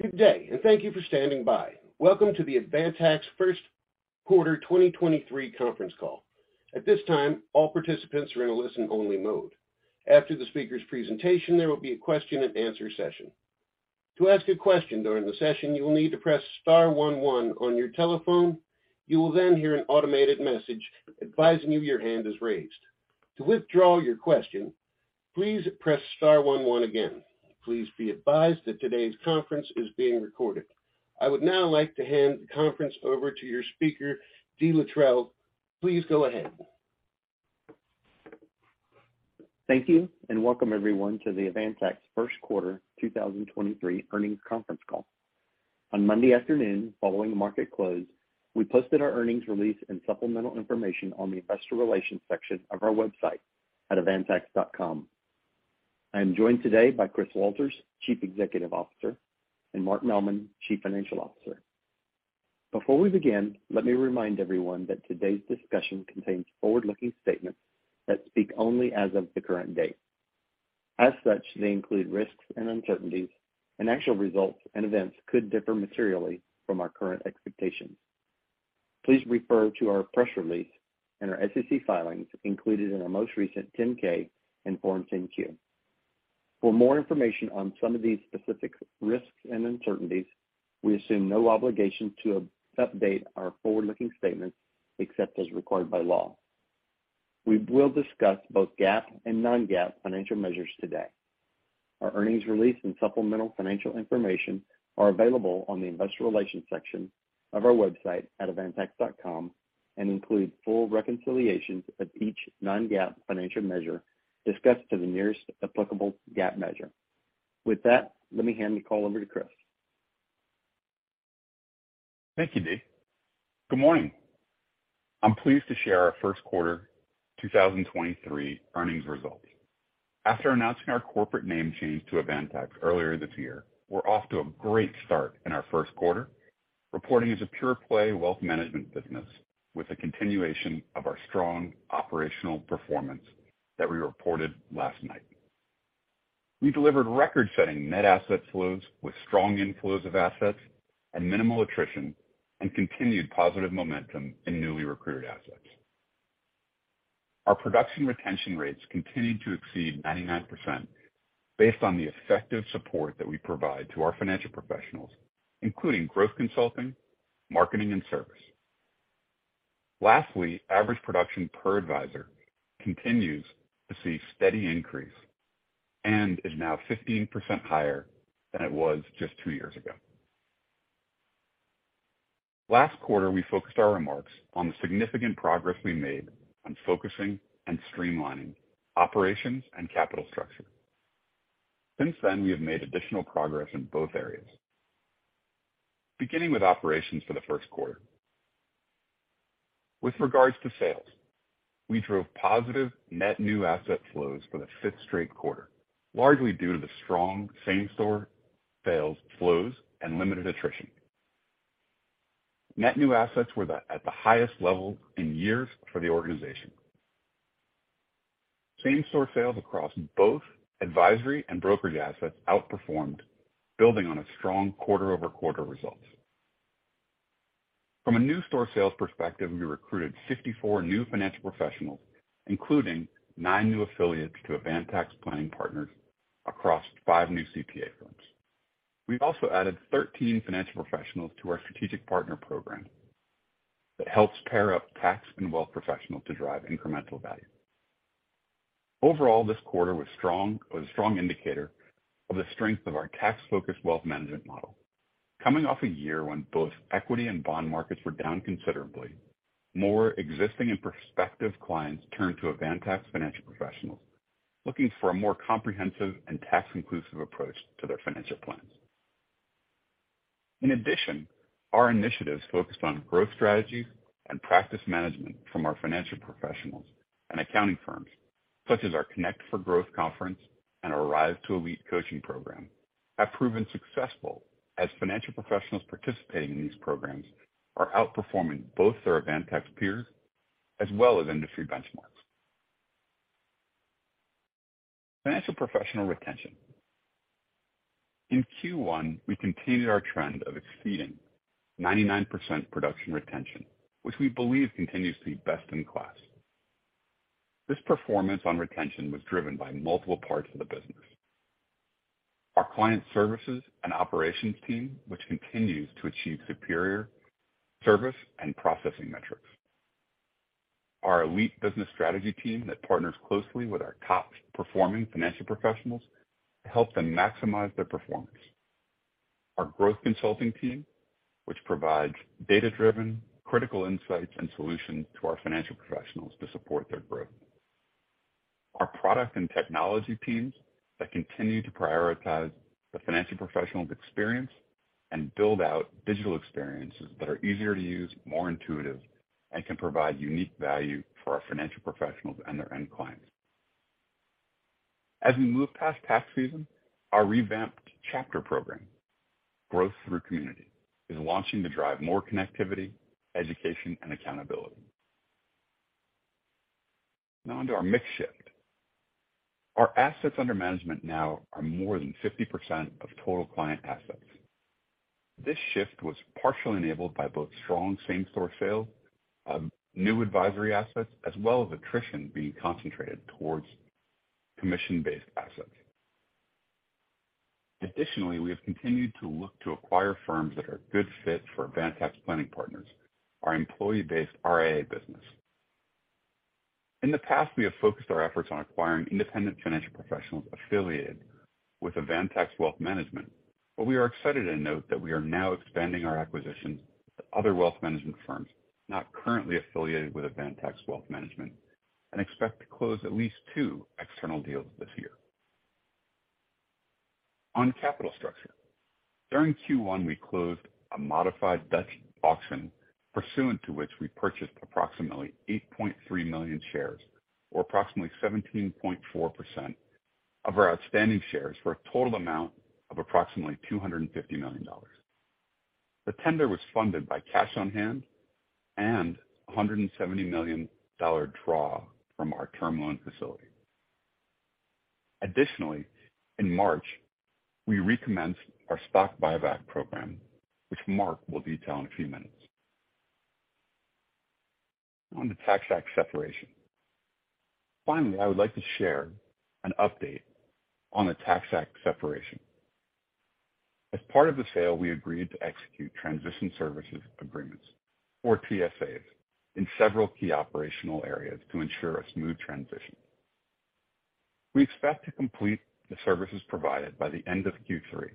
Good day, and thank you for standing by. Welcome to the Avantax First Quarter 2023 Conference Call. At this time, all participants are in a listen-only mode. After the speaker's presentation, there will be a question and answer session. To ask a question during the session, you will need to press star one one on your telephone. You will then hear an automated message advising you your hand is raised. To withdraw your question, please press star one one again. Please be advised that today's conference is being recorded. I would now like to hand the conference over to your speaker, Dee Littrell. Please go ahead. Thank you. Welcome everyone to the Avantax First Quarter 2023 Earnings Conference Call. On Monday afternoon, following the market close, we posted our earnings release and supplemental information on the Investor Relations section of our website at avantax.com. I am joined today by Chris Walters, Chief Executive Officer, and Marc Mehlman, Chief Financial Officer. Before we begin, let me remind everyone that today's discussion contains forward-looking statements that speak only as of the current date. As such, they include risks and uncertainties. Actual results and events could differ materially from our current expectations. Please refer to our press release and our SEC filings included in our most recent 10-K and form 10-Q. For more information on some of these specific risks and uncertainties, we assume no obligation to update our forward-looking statements except as required by law. We will discuss both GAAP and non-GAAP financial measures today. Our earnings release and supplemental financial information are available on the investor relations section of our website at avantax.com and include full reconciliations of each non-GAAP financial measure discussed to the nearest applicable GAAP measure. Let me hand the call over to Chris. Thank you, Dee. Good morning. I'm pleased to share our First Quarter 2023 Earnings Results. After announcing our corporate name change to Avantax earlier this year, we're off to a great start in our first quarter, reporting as a pure play wealth management business with a continuation of our strong operational performance that we reported last night. We delivered record-setting net asset flows with strong inflows of assets and minimal attrition and continued positive momentum in newly recruited assets. Our production retention rates continued to exceed 99% based on the effective support that we provide to our financial professionals, including growth consulting, marketing, and service. Lastly, average production per advisor continues to see steady increase and is now 15% higher than it was just two years ago. Last quarter, we focused our remarks on the significant progress we made on focusing and streamlining operations and capital structure. Since then, we have made additional progress in both areas. Beginning with operations for the first quarter. With regards to sales, we drove positive net new asset flows for the fifth straight quarter, largely due to the strong same-store sales flows and limited attrition. Net new assets were at the highest level in years for the organization. Same-store sales across both advisory and brokerage assets outperformed, building on a strong quarter-over-quarter results. From a new store sales perspective, we recruited 54 new financial professionals, including nine new affiliates to Avantax Planning Partners across five new CPA firms. We've also added 13 financial professionals to our Strategic Partner Program that helps pair up tax and wealth professionals to drive incremental value. Overall, this quarter was strong, was a strong indicator of the strength of our tax-focused wealth management model. Coming off a year when both equity and bond markets were down considerably, more existing and prospective clients turned to Avantax financial professionals, looking for a more comprehensive and tax inclusive approach to their financial plans. Our initiatives focused on growth strategies and practice management from our financial professionals and accounting firms, such as our Connect for Growth conference and Rise to Elite coaching program, have proven successful as financial professionals participating in these programs are outperforming both their Avantax peers as well as industry benchmarks. Financial professional retention. In Q1, we continued our trend of exceeding 99% production retention, which we believe continues to be best in class. This performance on retention was driven by multiple parts of the business. Our client services and operations team, which continues to achieve superior service and processing metrics. Our elite business strategy team that partners closely with our top-performing financial professionals to help them maximize their performance. Our growth consulting team, which provides data-driven critical insights and solutions to our financial professionals to support their growth. Our product and technology teams that continue to prioritize the financial professionals' experience and build out digital experiences that are easier to use, more intuitive, and can provide unique value for our financial professionals and their end clients. As we move past tax season, our revamped chapter program, Growth Through Community, is launching to drive more connectivity, education, and accountability. On to our mix shift. Our assets under management now are more than 50% of total client assets. This shift was partially enabled by both strong same-store sales, new advisory assets, as well as attrition being concentrated towards commission-based assets. Additionally, we have continued to look to acquire firms that are a good fit for Avantax Planning Partners, our employee-based RAA business. In the past, we have focused our efforts on acquiring independent financial professionals affiliated with Avantax Wealth Management, but we are excited to note that we are now expanding our acquisitions to other wealth management firms not currently affiliated with Avantax Wealth Management and expect to close at least two external deals this year. On capital structure. During Q1, we closed a modified Dutch auction, pursuant to which we purchased approximately 8.3 million shares or approximately 17.4% of our outstanding shares for a total amount of approximately $250 million. The tender was funded by cash on hand and a $170 million draw from our term loan facility. Additionally, in March, we recommenced our stock buyback program, which Marc will detail in a few minutes. On the TaxAct separation. I would like to share an update on the TaxAct separation. As part of the sale, we agreed to execute Transition Services Agreements, or TSAs, in several key operational areas to ensure a smooth transition. We expect to complete the services provided by the end of Q3.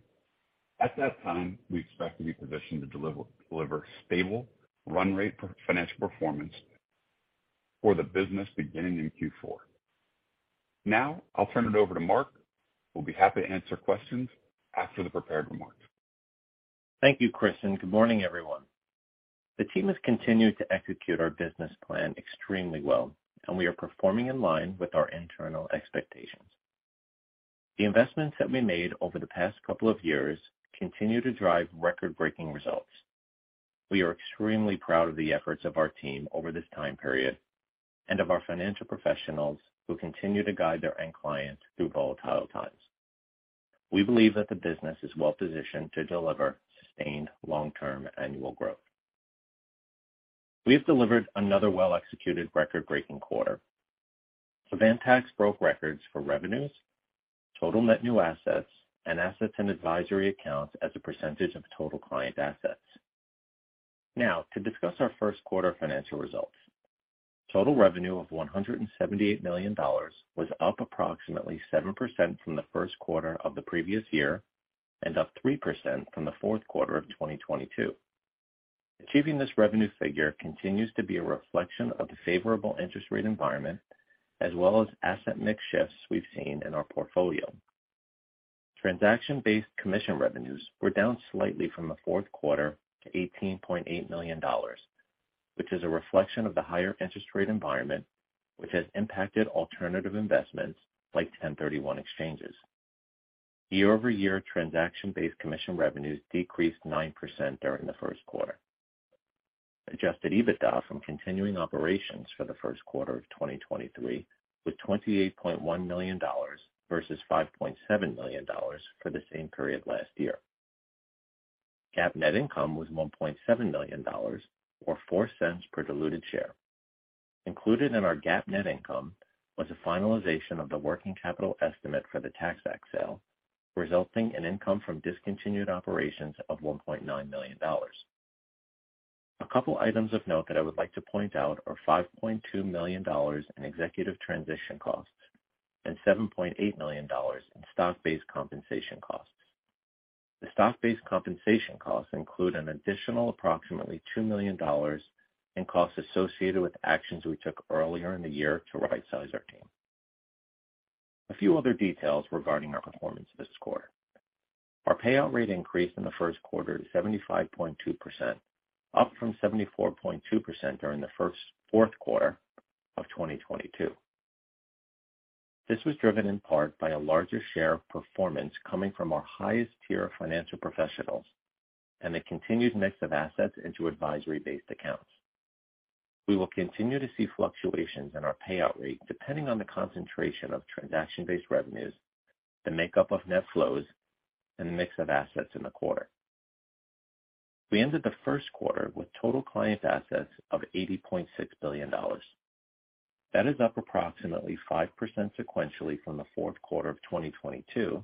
At that time, we expect to be positioned to deliver stable run rate for financial performance for the business beginning in Q4. I'll turn it over to Marc. We'll be happy to answer questions after the prepared remarks. Thank you, Chris. Good morning, everyone. The team has continued to execute our business plan extremely well, and we are performing in line with our internal expectations. The investments that we made over the past couple of years continue to drive record-breaking results. We are extremely proud of the efforts of our team over this time period and of our financial professionals who continue to guide their end clients through volatile times. We believe that the business is well positioned to deliver sustained long-term annual growth. We have delivered another well-executed record-breaking quarter. Avantax broke records for revenues, total net new assets, and assets in advisory accounts as a % of total client assets. To discuss our first quarter financial results. Total revenue of $178 million was up approximately 7% from the first quarter of the previous year, and up 3% from the fourth quarter of 2022. Achieving this revenue figure continues to be a reflection of the favorable interest rate environment as well as asset mix shifts we've seen in our portfolio. Transaction-based commission revenues were down slightly from the fourth quarter to $18.8 million, which is a reflection of the higher interest rate environment, which has impacted alternative investments like 1031 exchanges. Year-over-year transaction-based commission revenues decreased 9% during the 1st quarter. Adjusted EBITDA from continuing operations for the first quarter of 2023 was $28.1 million versus $5.7 million for the same period last year. GAAP net income was $1.7 million or $0.04 per diluted share. Included in our GAAP net income was the finalization of the working capital estimate for the TaxAct sale, resulting in income from discontinued operations of $1.9 million. A couple items of note that I would like to point out are $5.2 million in executive transition costs and $7.8 million in stock-based compensation costs. The stock-based compensation costs include an additional approximately $2 million in costs associated with actions we took earlier in the year to rightsize our team. A few other details regarding our performance this quarter. Our payout rate increased in the first quarter to 75.2%, up from 74.2% during the first fourth quarter of 2022. This was driven in part by a larger share of performance coming from our highest tier of financial professionals and the continued mix of assets into advisory-based accounts. We will continue to see fluctuations in our payout rate depending on the concentration of transaction-based revenues, the makeup of net flows, and the mix of assets in the quarter. We ended the first quarter with total client assets of $80.6 billion. That is up approximately 5% sequentially from the fourth quarter of 2022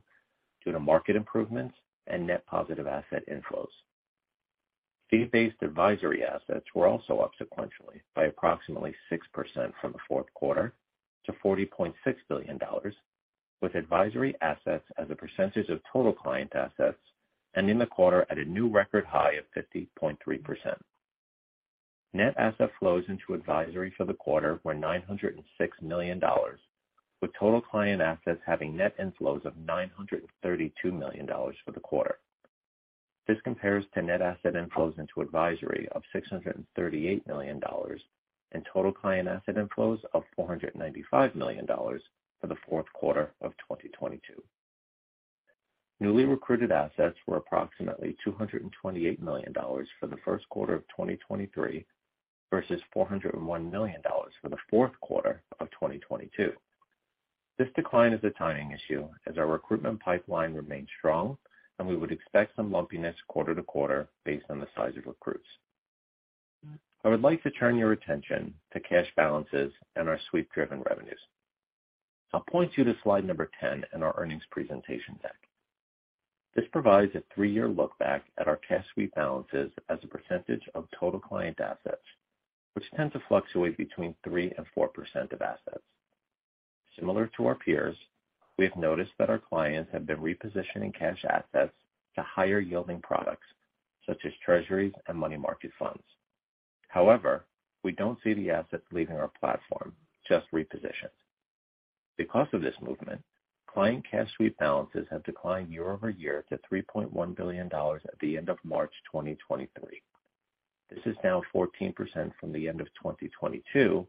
due to market improvements and net positive asset inflows. Fee-based advisory assets were also up sequentially by approximately 6% from the fourth quarter to $40.6 billion, with advisory assets as a percentage of total client assets ending the quarter at a new record high of 50.3%. Net asset flows into advisory for the quarter were $906 million, with total client assets having net inflows of $932 million for the quarter. This compares to net asset inflows into advisory of $638 million and total client asset inflows of $495 million for the fourth quarter of 2022. Newly recruited assets were approximately $228 million for the first quarter of 2023 versus $401 million for the fourth quarter of 2022. This decline is a timing issue as our recruitment pipeline remains strong and we would expect some lumpiness quarter to quarter based on the size of recruits. I would like to turn your attention to cash balances and our sweep-driven revenues. I'll point you to slide number 10 in our earnings presentation deck. This provides a three-year look back at our cash sweep balances as a percentage of total client assets, which tend to fluctuate between 3% and 4% of assets. Similar to our peers, we have noticed that our clients have been repositioning cash assets to higher-yielding products such as treasuries and money market funds. We don't see the assets leaving our platform, just repositioned. Because of this movement, client cash sweep balances have declined year-over-year to $3.1 billion at the end of March 2023. This is now 14% from the end of 2022,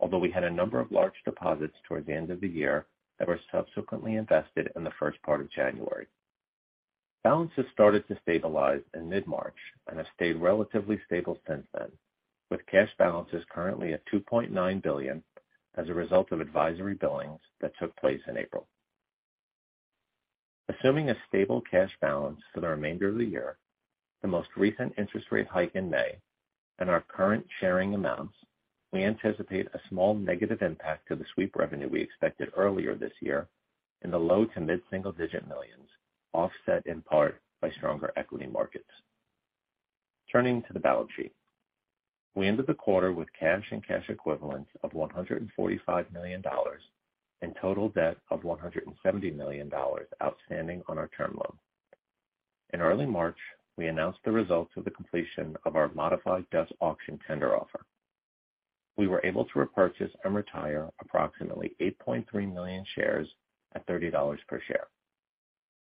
although we had a number of large deposits towards the end of the year that were subsequently invested in the first part of January. Balances started to stabilize in mid-March and have stayed relatively stable since then, with cash balances currently at $2.9 billion as a result of advisory billings that took place in April. Assuming a stable cash balance for the remainder of the year, the most recent interest rate hike in May and our current sharing amounts, we anticipate a small negative impact to the sweep revenue we expected earlier this year in the low to mid-single-digit millions, offset in part by stronger equity markets. Turning to the balance sheet. We ended the quarter with cash and cash equivalents of $145 million and total debt of $170 million outstanding on our term loan. In early March, we announced the results of the completion of our modified Dutch auction tender offer. We were able to repurchase and retire approximately 8.3 million shares at $30 per share.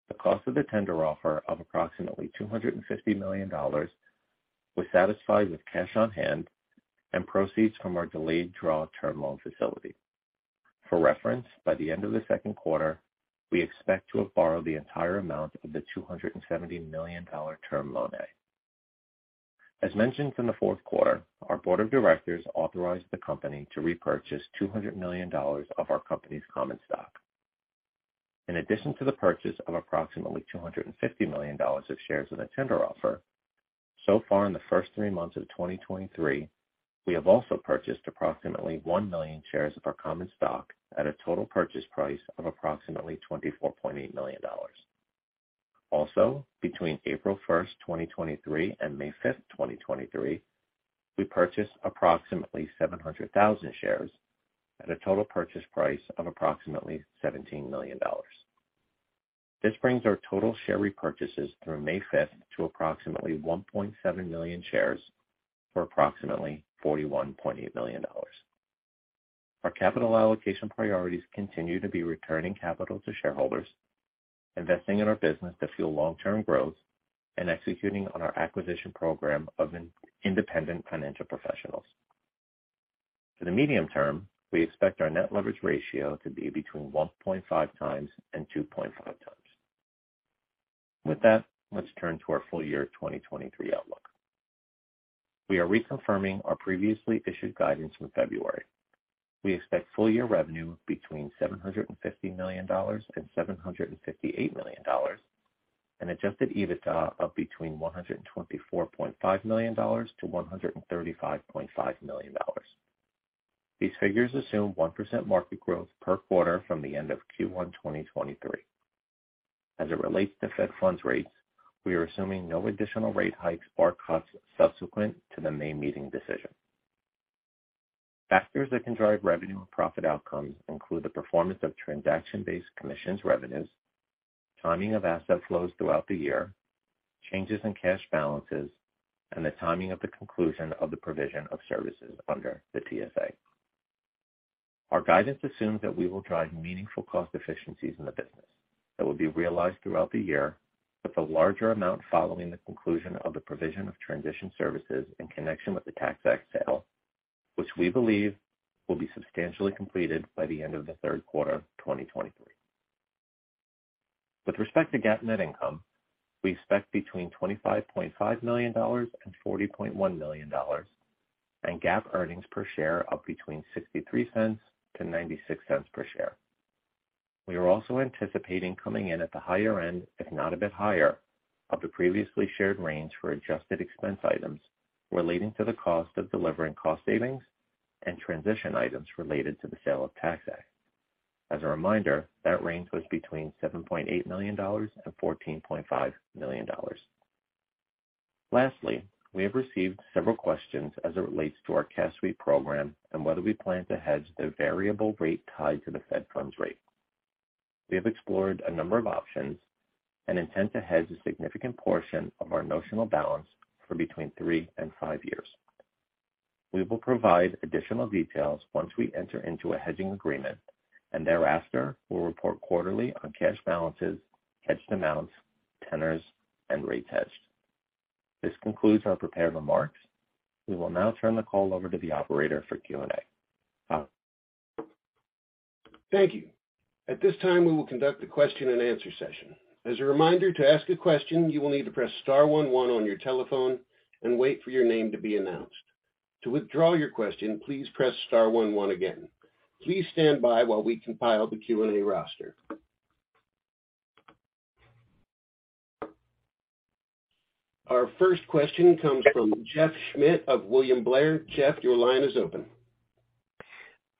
The cost of the tender offer of approximately $250 million was satisfied with cash on hand and proceeds from our delayed draw term loan facility. For reference, by the end of the second quarter, we expect to have borrowed the entire amount of the $270 million term loan A. As mentioned in the fourth quarter, our board of directors authorized the company to repurchase $200 million of our company's common stock. In addition to the purchase of approximately $250 million of shares in the tender offer, so far in the first three months of 2023, we have also purchased approximately one million shares of our common stock at a total purchase price of approximately $24.8 million. Between April 1st, 2023 and May 5th, 2023, we purchased approximately 700,000 shares at a total purchase price of approximately $17 million. This brings our total share repurchases through May 5th to approximately 1.7 million shares for approximately $41.8 million. Our capital allocation priorities continue to be returning capital to shareholders, investing in our business to fuel long-term growth, and executing on our acquisition program of independent financial professionals. For the medium term, we expect our net leverage ratio to be between 1.5x and 2.5x. With that, let's turn to our full year 2023 outlook. We are reconfirming our previously issued guidance from February. We expect full year revenue between $750 million and $758 million and Adjusted EBITDA of between $124.5 million to $135.5 million. These figures assume 1% market growth per quarter from the end of Q1 2023. As it relates to Fed funds rates, we are assuming no additional rate hikes or cuts subsequent to the May meeting decision. Factors that can drive revenue and profit outcomes include the performance of transaction-based commissions revenues, timing of asset flows throughout the year, changes in cash balances, and the timing of the conclusion of the provision of services under the TSA. Our guidance assumes that we will drive meaningful cost efficiencies in the business that will be realized throughout the year, with a larger amount following the conclusion of the provision of transition services in connection with the TaxAct sale, which we believe will be substantially completed by the end of the third quarter of 2023. With respect to GAAP net income, we expect between $25.5 million and $40.1 million and GAAP earnings per share of between $0.63-$0.96 per share. We are also anticipating coming in at the higher end, if not a bit higher, of the previously shared range for adjusted expense items relating to the cost of delivering cost savings and transition items related to the sale of TaxAct. As a reminder, that range was between $7.8 million and $14.5 million. Lastly, we have received several questions as it relates to our cash sweep program and whether we plan to hedge the variable rate tied to the Fed funds rate. We have explored a number of options and intend to hedge a significant portion of our notional balance for between three and five years. We will provide additional details once we enter into a hedging agreement, thereafter we'll report quarterly on cash balances, hedged amounts, tenors, and rate hedge. This concludes our prepared remarks. We will now turn the call over to the operator for Q&A. Thank you. At this time, we will conduct the question and answer session. As a reminder, to ask a question, you will need to press star one one on your telephone and wait for your name to be announced. To withdraw your question, please press star one one again. Please stand by while we compile the Q&A roster. Our first question comes from Jeff Schmitt of William Blair. Jeff, your line is open.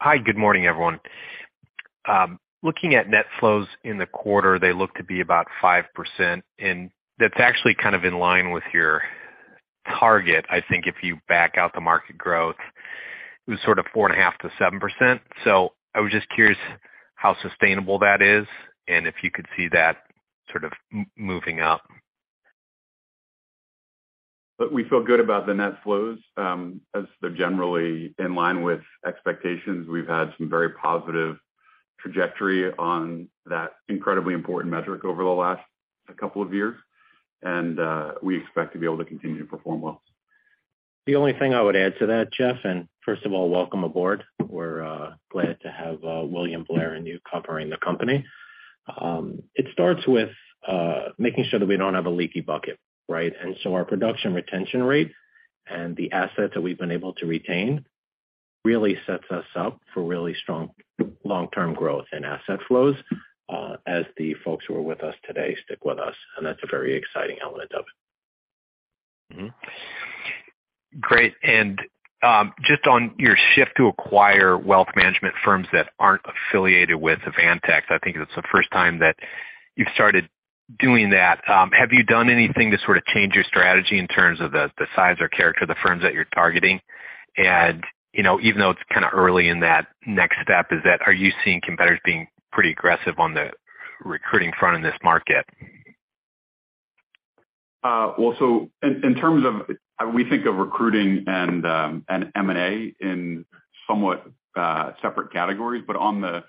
Hi, good morning, everyone. Looking at net flows in the quarter, they look to be about 5%, and that's actually kind of in line with your target. I think if you back out the market growth, it was sort of 4.5%-7%. I was just curious how sustainable that is and if you could see that sort of moving up. Look, we feel good about the net flows, as they're generally in line with expectations. We've had some very positive trajectory on that incredibly important metric over the last couple of years, and, we expect to be able to continue to perform well. The only thing I would add to that, Jeff, first of all, welcome aboard. We're glad to have William Blair and you covering the company. It starts with making sure that we don't have a leaky bucket, right? So our production retention rate and the assets that we've been able to retain really sets us up for really strong long-term growth in asset flows as the folks who are with us today stick with us, and that's a very exciting element of it. Great. Just on your shift to acquire Wealth Management firms that aren't affiliated with Avantax, I think it's the first time that you've started doing that. Have you done anything to sort of change your strategy in terms of the size or character of the firms that you're targeting? You know, even though it's kind of early in that next step, are you seeing competitors being pretty aggressive on the recruiting front in this market? Well, in terms of we think of recruiting and M&A in somewhat separate categories. On the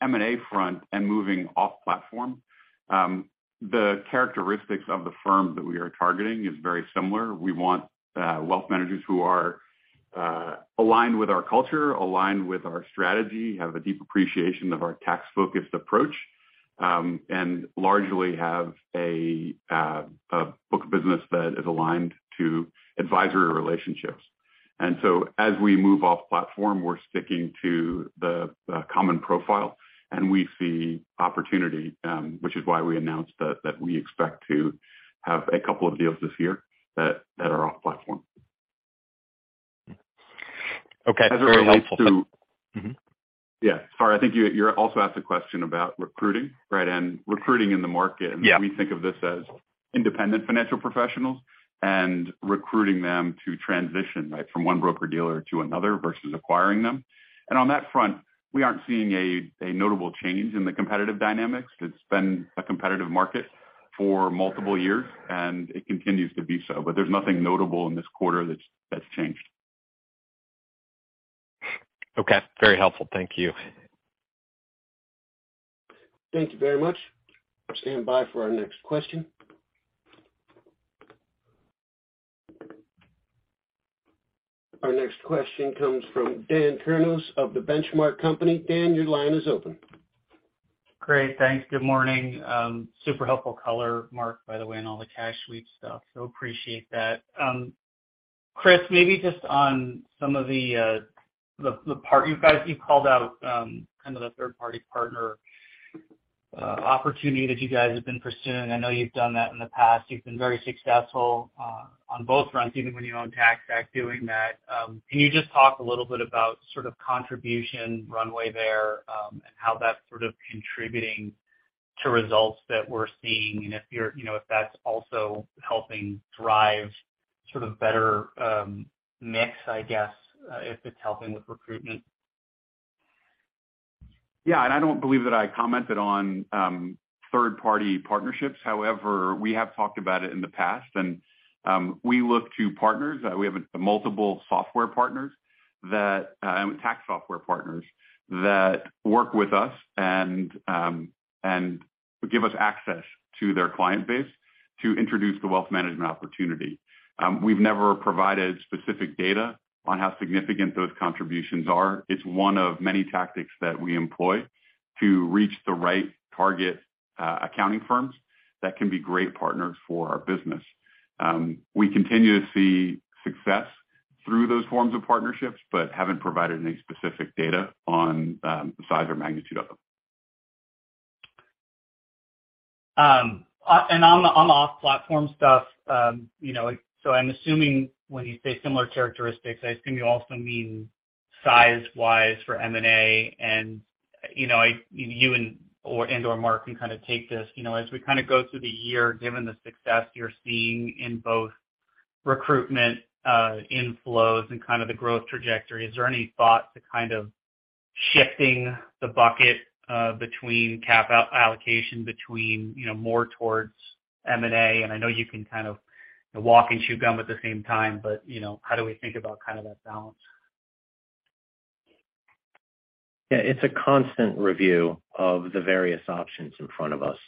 M&A front and moving off platform, the characteristics of the firms that we are targeting is very similar. We want wealth managers who are aligned with our culture, aligned with our strategy, have a deep appreciation of our tax-focused approach, and largely have a book of business that is aligned to advisory relationships. As we move off platform, we're sticking to the common profile, and we see opportunity, which is why we announced that we expect to have a couple of deals this year that are off platform. Okay. Very helpful. As it relates Mm-hmm. Yeah, sorry. I think you also asked a question about recruiting, right? Recruiting in the market. Yeah. We think of this as independent financial professionals and recruiting them to transition, right, from one broker-dealer to another versus acquiring them. On that front, we aren't seeing a notable change in the competitive dynamics. It's been a competitive market for multiple years, and it continues to be so. There's nothing notable in this quarter that's changed. Okay. Very helpful. Thank you. Thank you very much. Stand by for our next question. Our next question comes from Dan Kurnos of The Benchmark Company. Dan, your line is open. Great. Thanks. Good morning. Super helpful color, Marc, by the way, on all the cash sweep stuff, so appreciate that. Chris, maybe just on some of the part you guys, you called out, kind of the third-party partner opportunity that you guys have been pursuing. I know you've done that in the past. You've been very successful on both fronts, even when you owned TaxAct doing that. Can you just talk a little bit about sort of contribution runway there, and how that's sort of contributing to results that we're seeing and if you're, you know, if that's also helping drive sort of better mix, I guess, if it's helping with recruitment? Yeah. I don't believe that I commented on third-party partnerships. However, we have talked about it in the past, and we look to partners. We have multiple software partners that tax software partners that work with us and give us access to their client base to introduce the wealth management opportunity. We've never provided specific data on how significant those contributions are. It's one of many tactics that we employ to reach the right target, accounting firms that can be great partners for our business. We continue to see success through those forms of partnerships, but haven't provided any specific data on the size or magnitude of them. On the, on the off platform stuff, you know, so I'm assuming when you say similar characteristics, I assume you also mean size-wise for M&A and, you know, I, you and/or Marc can kind of take this. You know, as we kind of go through the year, given the success you're seeing in both recruitment, inflows and kind of the growth trajectory, is there any thought to kind of shifting the bucket, between cap allocation between, you know, more towards M&A? I know you can kind of walk and chew gum at the same time, but, you know, how do we think about kind of that balance? Yeah. It's a constant review of the various options in front of us.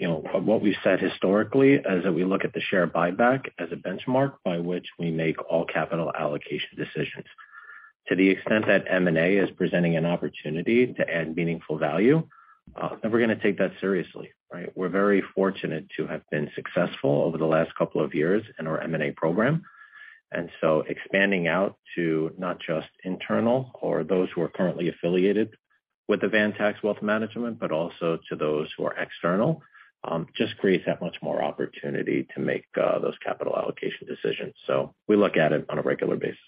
you know, what we've said historically is that we look at the share buyback as a benchmark by which we make all capital allocation decisions. To the extent that M&A is presenting an opportunity to add meaningful value, then we're gonna take that seriously, right? We're very fortunate to have been successful over the last couple of years in our M&A program. expanding out to not just internal or those who are currently affiliated with the Avantax Wealth Management, but also to those who are external, just creates that much more opportunity to make those capital allocation decisions. We look at it on a regular basis.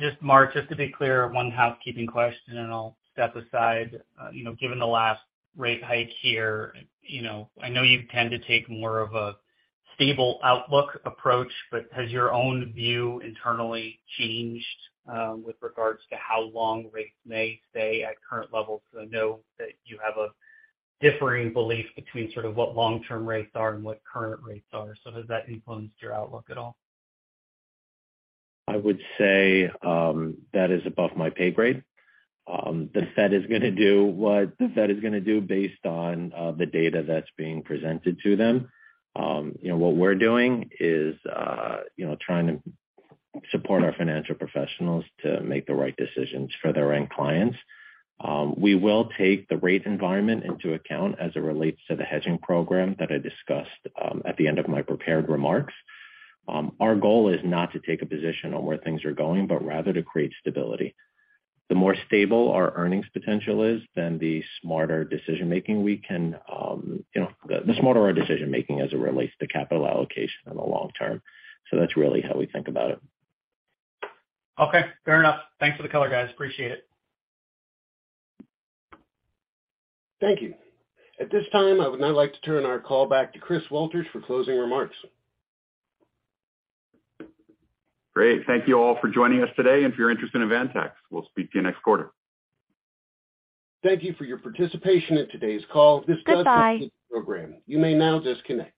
Just, Marc, just to be clear, one housekeeping question and I'll step aside. You know, given the last rate hike here, you know, I know you tend to take more of a stable outlook approach, but has your own view internally changed with regards to how long rates may stay at current levels? 'Cause I know that you have a differing belief between sort of what long-term rates are and what current rates are. Has that influenced your outlook at all? I would say that is above my pay grade. The Fed is gonna do what the Fed is gonna do based on the data that's being presented to them. You know, what we're doing is, you know, trying to support our financial professionals to make the right decisions for their end clients. We will take the rate environment into account as it relates to the hedging program that I discussed at the end of my prepared remarks. Our goal is not to take a position on where things are going, but rather to create stability. The more stable our earnings potential is, then the smarter decision-making we can, you know, the smarter our decision-making as it relates to capital allocation in the long term. That's really how we think about it. Okay, fair enough. Thanks for the color, guys. Appreciate it. Thank you. At this time, I would now like to turn our call back to Chris Walters for closing remarks. Great. Thank you all for joining us today. If you're interested in Avantax, we'll speak to you next quarter. Thank you for your participation in today's call. Goodbye. This does conclude the program. You may now disconnect.